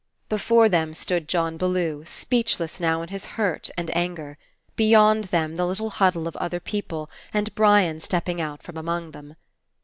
Before them stood John Bellew, speech less now in his hurt and anger. Beyond them the little huddle of other people, and Brian stepping out from among them.